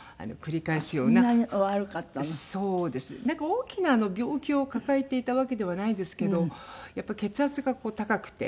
大きな病気を抱えていたわけではないんですけどやっぱり血圧が高くて。